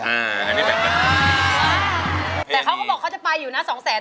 แต่เขาก็บอกเขาจะไปอยู่นะสองแสน